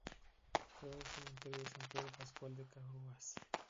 Creo el Seminario de San Pedro Pascual de Carhuaz.